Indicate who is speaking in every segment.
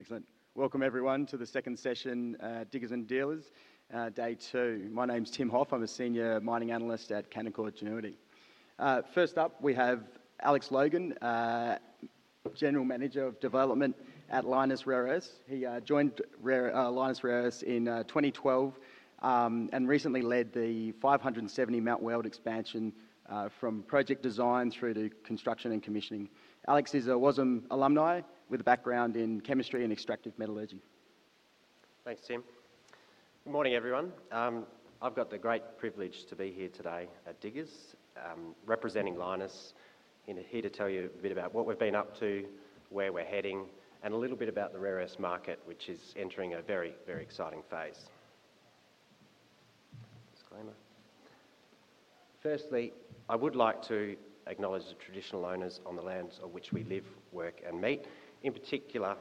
Speaker 1: Excellent. Welcome everyone to the second session, Diggers and Dealers, Day Two. My name's Tim Hoff. I'm a Senior Mining Analyst at Canaccord Genuity. First up, we have Alex Logan, General Manager of Development at Lynas Rare Earths. He joined Lynas Rare Earths in 2012 and recently led the $570 million Mount Weld expansion, from project design through to construction and commissioning. Alex is an alumni with a background in chemistry and extractive metallurgy.
Speaker 2: Thanks, Tim. Morning everyone. I've got the great privilege to be here today at Diggers, representing Lynas and here to tell you a bit about what we've been up to, where we're heading, and a little bit about the rare earths market, which is entering a very, very exciting phase. Disclaimer. Firstly, I would like to acknowledge the traditional owners on the lands on which we live, work, and meet, in particular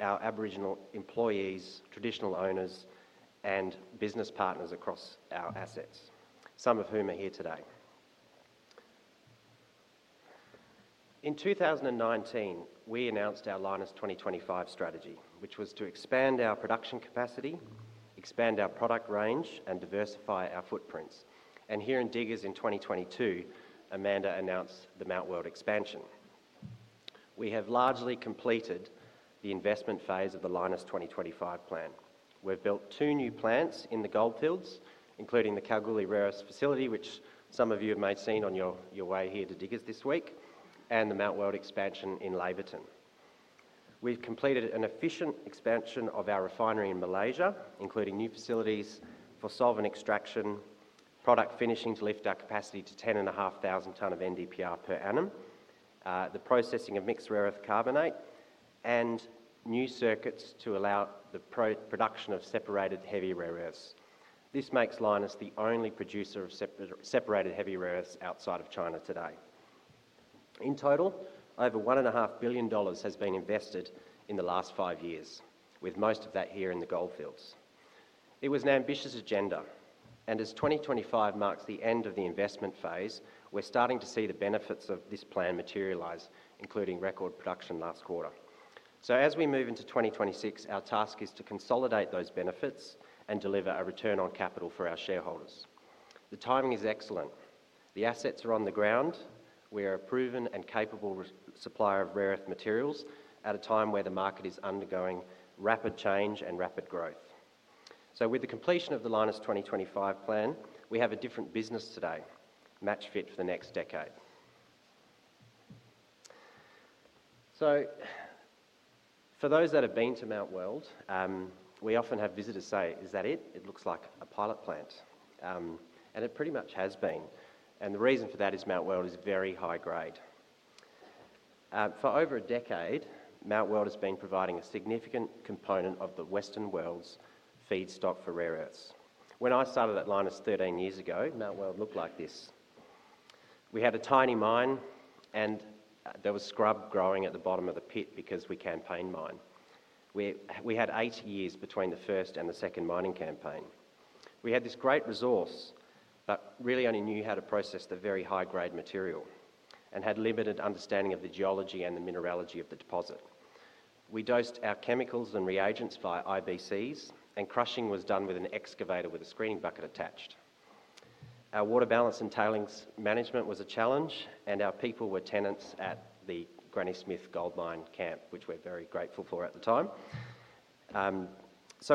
Speaker 2: our Aboriginal employees, traditional owners, and business partners across our assets, some of whom are here today. In 2019, we announced our Lynas 2025 strategy, which was to expand our production capacity, expand our product range, and diversify our footprints. Here in Diggers in 2022, Amanda announced the Mount Weld expansion. We have largely completed the investment phase of the Lynas 2025 plan. We've built two new plants in the Goldfields, including the Kalgoorlie Rare Earths Processing Facility, which some of you may have seen on your way here to Diggers this week, and the Mount Weld expansion in Laverton. We've completed an efficient expansion of our refinery in Malaysia, including new facilities for solvent extraction, product finishing to lift our capacity to 10,500 tons of NdPr per annum, the processing of Mixed Rare Carbonate, and new circuits to allow the production of separated heavy rare earths. This makes Lynas the only producer of separated heavy rare earths outside of China today. In total, over $1.5 billion has been invested in the last five years, with most of that here in the Goldfields. It was an ambitious agenda, and as 2025 marks the end of the investment phase, we're starting to see the benefits of this plan materialize, including record production last quarter. As we move into 2026, our task is to consolidate those benefits and deliver a return on capital for our shareholders. The timing is excellent. The assets are on the ground. We are a proven and capable supplier of rare earth materials at a time where the market is undergoing rapid change and rapid growth. With the completion of the Lynas 2025 plan, we have a different business today, match fit for the next decade. For those that have been to Mount Weld, we often have visitors say, "Is that it? It looks like a pilot plant." It pretty much has been. The reason for that is Mount Weld is very high grade. For over a decade, Mount Weld has been providing a significant component of the Western world's feedstock for rare earths. When I started at Lynas 13 years ago, Mount Weld looked like this. We had a tiny mine, and there was scrub growing at the bottom of the pit because we campaign mine. We had eight years between the first and the second mining campaign. We had this great resource, but really only knew how to process the very high-grade material and had limited understanding of the geology and the mineralogy of the deposit. We dosed our chemicals and reagents via IBCs, and crushing was done with an excavator with a screening bucket attached. Our water balance and tailings management was a challenge, and our people were tenants at the Granny Smith Gold Mine camp, which we're very grateful for at the time.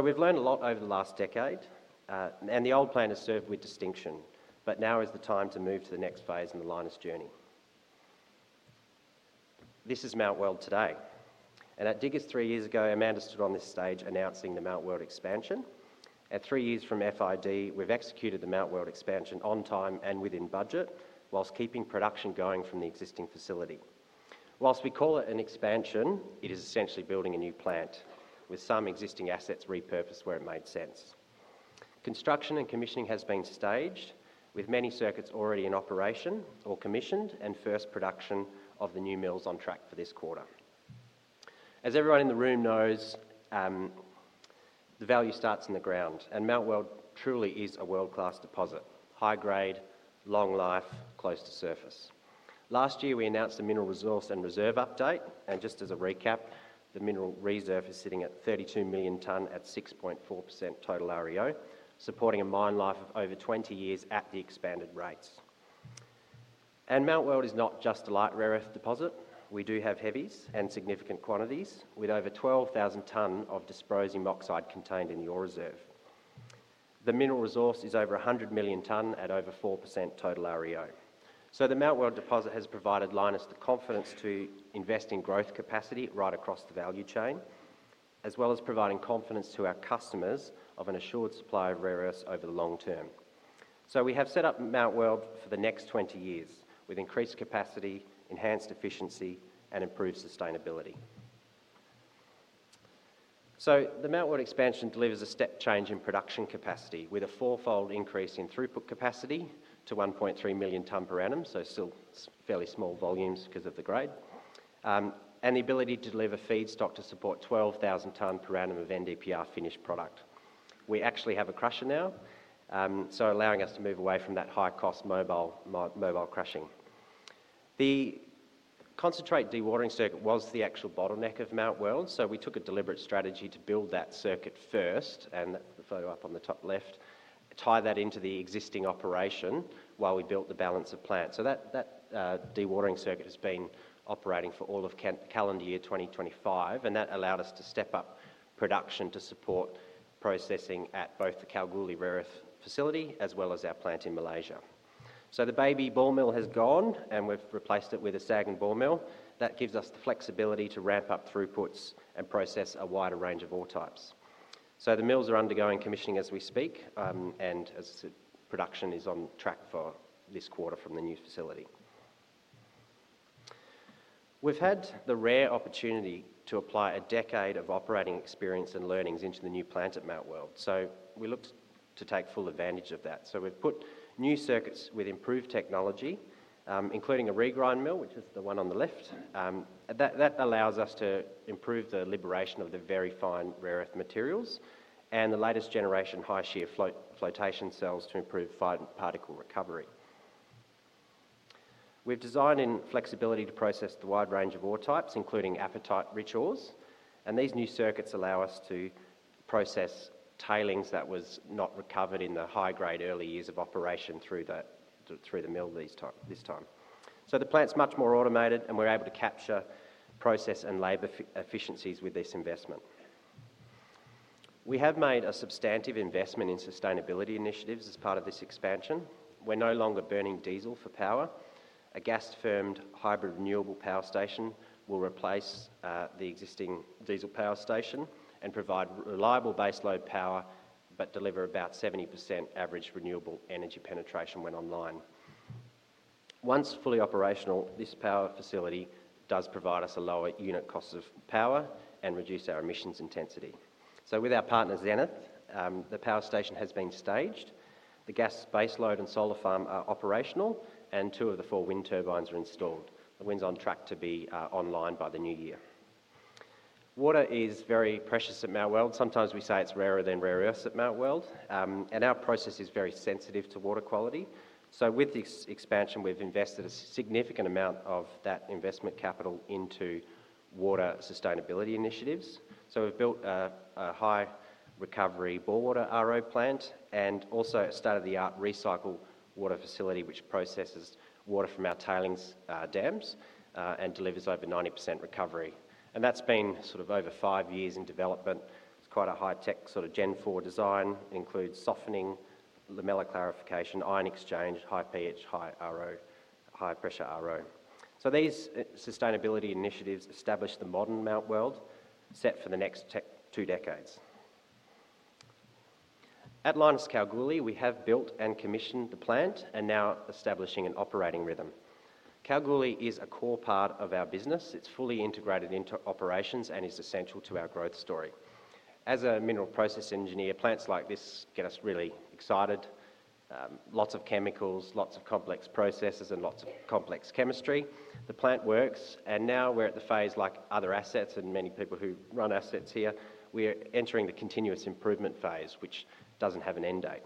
Speaker 2: We've learned a lot over the last decade, and the old plant has served with distinction, but now is the time to move to the next phase in the Lynas journey. This is Mount Weld today. At Diggers three years ago, Amanda stood on this stage announcing the Mount Weld expansion. At three years from FID, we've executed the Mount Weld expansion on time and within budget, whilst keeping production going from the existing facility. Whilst we call it an expansion, it is essentially building a new plant with some existing assets repurposed where it made sense. Construction and commissioning has been staged, with many circuits already in operation or commissioned, and first production of the new mills on track for this quarter. As everyone in the room knows, the value starts in the ground, and Mount Weld truly is a world-class deposit: high grade, long life, close to surface. Last year, we announced the mineral resource and reserve update, and just as a recap, the mineral reserve is sitting at 32 million tons at 6.4% total REO, supporting a mine life of over 20 years at the expanded rates. Mount Weld is not just a light rare earth deposit. We do have heavies and significant quantities, with over 12,000 tons of dysprosium oxide contained in the ore reserve. The mineral resource is over 100 million tons at over 4% total REO. The Mount Weld deposit has provided Lynas the confidence to invest in growth capacity right across the value chain, as well as providing confidence to our customers of an assured supply of rare earths over the long term. We have set up Mount Weld for the next 20 years, with increased capacity, enhanced efficiency, and improved sustainability. The Mount Weld expansion delivers a step change in production capacity, with a four-fold increase in throughput capacity to 1.3 million tons per annum, so still fairly small volumes because of the grade, and the ability to deliver feedstock to support 12,000 tons per annum of NdPr finished product. We actually have a crusher now, allowing us to move away from that high-cost mobile crushing. The concentrate dewatering circuit was the actual bottleneck of Mount Weld, so we took a deliberate strategy to build that circuit first, and the photo up on the top left ties that into the existing operation while we built the balance of plants. That dewatering circuit has been operating for all of calendar year 2025, and that allowed us to step up production to support processing at both the Kalgoorlie Rare Earths Processing Facility as well as our plant in Malaysia. The baby ball mill has gone, and we've replaced it with a SAG and ball mill. That gives us the flexibility to ramp up throughputs and process a wider range of ore types. The mills are undergoing commissioning as we speak, and as I said, production is on track for this quarter from the new facility. We've had the rare opportunity to apply a decade of operating experience and learnings into the new plant at Mount Weld, so we looked to take full advantage of that. We've put new circuits with improved technology, including a regrind mill, which is the one on the left. That allows us to improve the liberation of the very fine rare earth materials and the latest generation high shear flotation cells to improve fine particle recovery. We've designed in flexibility to process the wide range of ore types, including apatite-rich ores, and these new circuits allow us to process tailings that were not recovered in the high-grade early years of operation through the mill this time. The plant's much more automated, and we're able to capture process and labor efficiencies with this investment. We have made a substantive investment in sustainability initiatives as part of this expansion. We're no longer burning diesel for power. A gas-fueled hybrid renewable power station will replace the existing diesel power station and provide reliable baseload power, but deliver about 70% average renewable energy penetration when online. Once fully operational, this power facility does provide us a lower unit cost of power and reduce our emissions intensity. With our partner Zenith, the power station has been staged, the gas baseload and solar farm are operational, and two of the four wind turbines are installed. The wind's on track to be online by the new year. Water is very precious at Mount Weld. Sometimes we say it's rarer than rare earths at Mount Weld, and our process is very sensitive to water quality. With this expansion, we've invested a significant amount of that investment capital into water sustainability initiatives. We've built a high recovery bore water RO plant and also a state-of-the-art recycle water facility which processes water from our tailings dams and delivers over 90% recovery. That's been over five years in development. It's quite a high-tech Gen 4 design. It includes softening, lamella clarification, ion exchange, high pH, high RO, high pressure RO. These sustainability initiatives establish the modern Mount Weld set for the next two decades. At Lynas Kalgoorlie, we have built and commissioned the plant and now are establishing an operating rhythm. Kalgoorlie is a core part of our business. It's fully integrated into operations and is essential to our growth story. As a mineral process engineer, plants like this get us really excited. Lots of chemicals, lots of complex processes, and lots of complex chemistry. The plant works, and now we're at the phase, like other assets and many people who run assets here, we are entering the continuous improvement phase, which doesn't have an end date.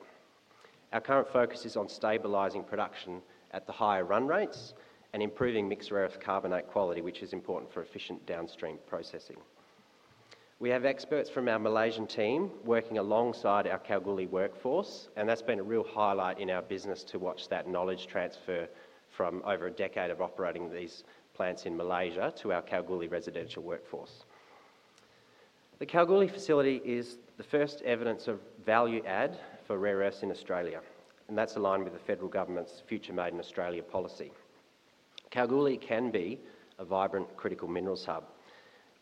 Speaker 2: Our current focus is on stabilizing production at the higher run rates and improving Mixed Rare Earth Carbonate quality, which is important for efficient downstream processing. We have experts from our Malaysian team working alongside our Kalgoorlie workforce, and that's been a real highlight in our business to watch that knowledge transfer from over a decade of operating these plants in Malaysia to our Kalgoorlie residential workforce. The Kalgoorlie facility is the first evidence of value add for rare earths in Australia, and that's aligned with the federal government's Future Made in Australia policy. Kalgoorlie can be a vibrant critical minerals hub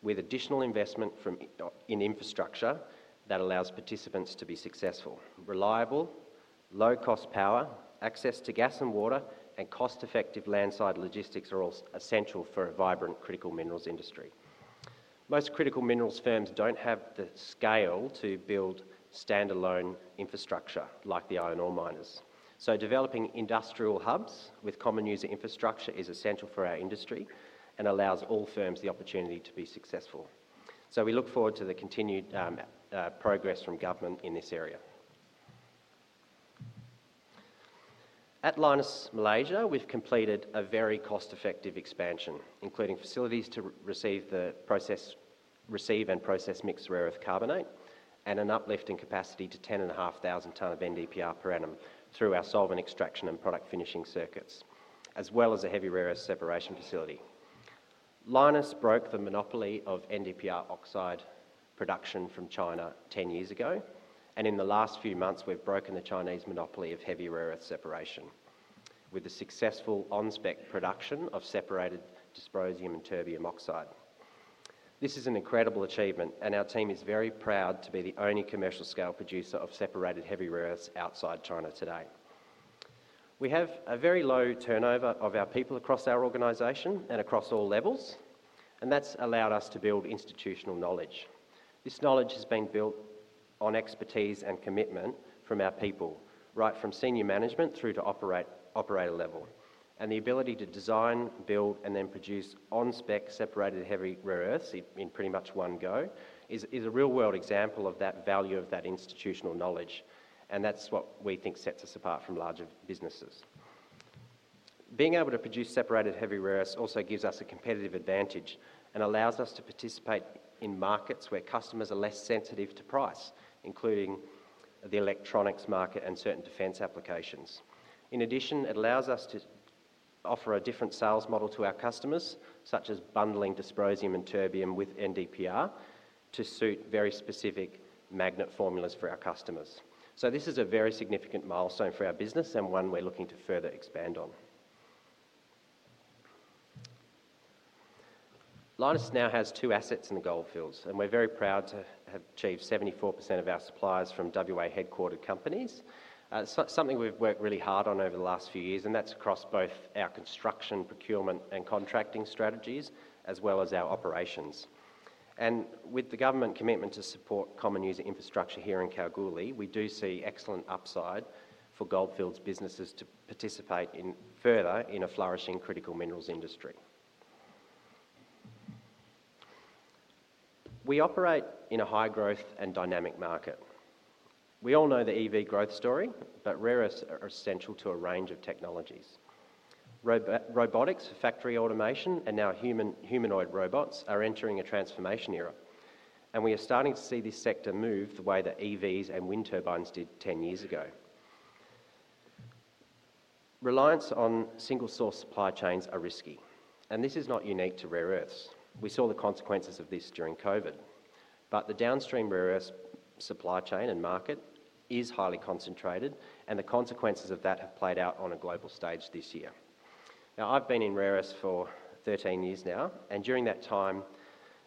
Speaker 2: with additional investment in infrastructure that allows participants to be successful. Reliable, low-cost power, access to gas and water, and cost-effective landside logistics are all essential for a vibrant critical minerals industry. Most critical minerals firms don't have the scale to build standalone infrastructure like the iron ore miners. Developing industrial hubs with common user infrastructure is essential for our industry and allows all firms the opportunity to be successful. We look forward to the continued progress from government in this area. At Lynas Malaysia, we've completed a very cost-effective expansion, including facilities to receive and process Mixed Rare Earth Carbonate and an uplift in capacity to 10,500 tons of NdPr per annum through our solvent extraction and product finishing circuits, as well as a heavy rare earth separation facility. Lynas broke the monopoly of NdPr oxide production from China 10 years ago, and in the last few months, we've broken the Chinese monopoly of heavy rare earth separation with the successful on-spec production of separated dysprosium and terbium oxide. This is an incredible achievement, and our team is very proud to be the only commercial scale producer of separated heavy rare earths outside China today. We have a very low turnover of our people across our organization and across all levels, and that's allowed us to build institutional knowledge. This knowledge has been built on expertise and commitment from our people, right from Senior Management through to operator level, and the ability to design, build, and then produce on-spec separated heavy rare earths in pretty much one go is a real-world example of that value of that institutional knowledge, and that's what we think sets us apart from larger businesses. Being able to produce separated heavy rare earths also gives us a competitive advantage and allows us to participate in markets where customers are less sensitive to price, including the electronics market and certain defense applications. In addition, it allows us to offer a different sales model to our customers, such as bundling dysprosium and terbium with NdPr to suit very specific magnet formulas for our customers. This is a very significant milestone for our business and one we're looking to further expand on. Lynas now has two assets in the Goldfields, and we're very proud to have achieved 74% of our supplies from WA headquartered companies, something we've worked really hard on over the last few years, and that's across both our construction, procurement, and contracting strategies, as well as our operations. With the government commitment to support common user infrastructure here in Kalgoorlie, we do see excellent upside for Goldfields businesses to participate further in a flourishing critical minerals industry. We operate in a high-growth and dynamic market. We all know the EV growth story, but rare earths are essential to a range of technologies. Robotics, factory automation, and now humanoid robots are entering a transformation era, and we are starting to see this sector move the way that EVs and wind turbines did 10 years ago. Reliance on single-source supply chains is risky, and this is not unique to rare earths. We saw the consequences of this during COVID, but the downstream rare earths supply chain and market is highly concentrated, and the consequences of that have played out on a global stage this year. I've been in rare earths for 13 years now, and during that time,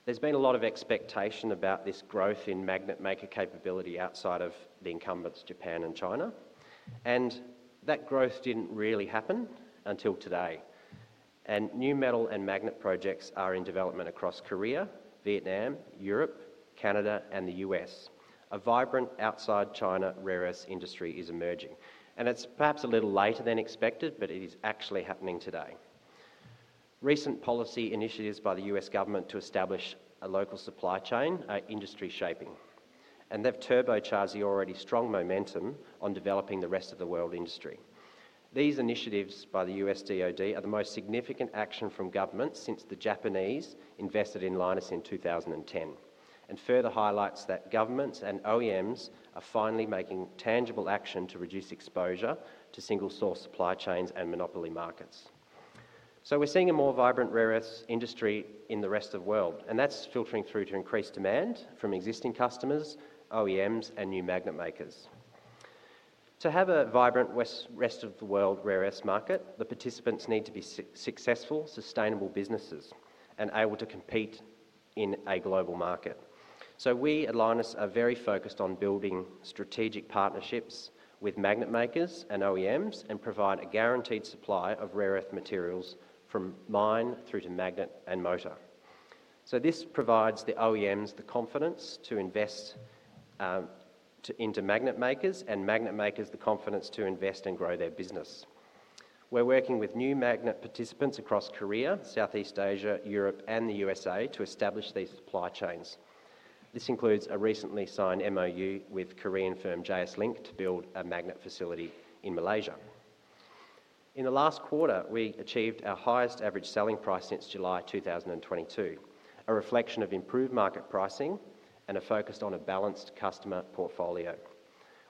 Speaker 2: there's been a lot of expectation about this growth in magnet maker capability outside of the incumbents, Japan and China, and that growth didn't really happen until today. New metal and magnet projects are in development across Korea, Vietnam, Europe, Canada, and the U.S. A vibrant outside China rare earths industry is emerging, and it's perhaps a little later than expected, but it is actually happening today. Recent policy initiatives by the U.S. government to establish a local supply chain are industry shaping, and they've turbocharged the already strong momentum on developing the rest of the world industry. These initiatives by the U.S. Department of Defense are the most significant action from governments since the Japanese invested in Lynas in 2010, and further highlights that governments and OEMs are finally making tangible action to reduce exposure to single-source supply chains and monopoly markets. We're seeing a more vibrant rare earths industry in the rest of the world, and that's filtering through to increased demand from existing customers, OEMs, and new magnet makers. To have a vibrant rest of the world rare earths market, the participants need to be successful, sustainable businesses and able to compete in a global market. We at Lynas Rare Earths are very focused on building strategic partnerships with magnet makers and OEMs and provide a guaranteed supply of rare earth materials from mine through to magnet and motor. This provides the OEMs the confidence to invest into magnet makers and magnet makers the confidence to invest and grow their business. We're working with new magnet participants across Korea, Southeast Asia, Europe, and the U.S. to establish these supply chains. This includes a recently signed MOU with Korean firm JS Link to build a magnet facility in Malaysia. In the last quarter, we achieved our highest average selling price since July 2022, a reflection of improved market pricing and a focus on a balanced customer portfolio.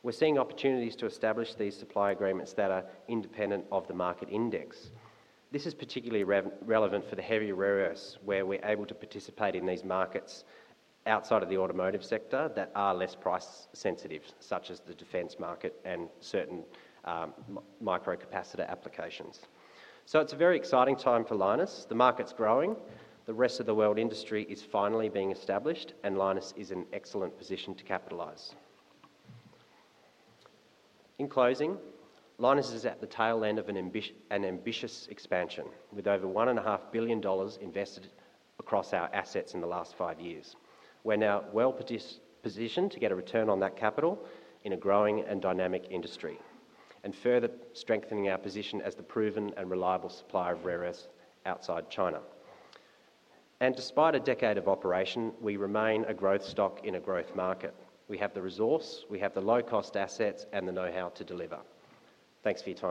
Speaker 2: We're seeing opportunities to establish these supply agreements that are independent of the market index. This is particularly relevant for the heavy rare earths where we're able to participate in these markets outside of the automotive sector that are less price sensitive, such as the defense market and certain microcapacitor applications. It's a very exciting time for Lynas. The market's growing, the rest of the world industry is finally being established, and Lynas is in an excellent position to capitalize. In closing, Lynas is at the tail end of an ambitious expansion with over $1.5 billion invested across our assets in the last five years. We're now well positioned to get a return on that capital in a growing and dynamic industry and further strengthening our position as the proven and reliable supplier of rare earths outside China. Despite a decade of operation, we remain a growth stock in a growth market. We have the resource, we have the low-cost assets, and the know-how to deliver. Thanks for your time.